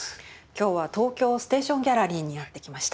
今日は東京ステーションギャラリーにやって来ました。